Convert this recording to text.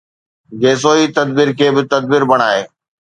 گيسوئي تَدبر کي به تَدبر بڻائي